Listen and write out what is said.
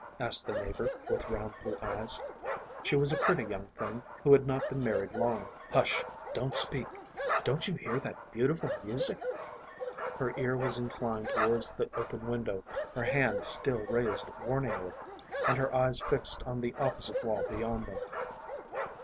asked the neighbor, with round blue eyes. She was a pretty young thing, who had not been married long. "Hush! Don't speak. Don't you hear that beautiful music?" Her ear was inclined towards the open window, her hand still raised warningly, and her eyes fixed on the opposite wall beyond them.